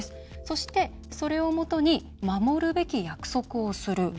そして、それをもとに守るべき約束をする。